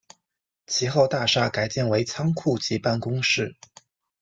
其后大厦改建为仓库及办公室。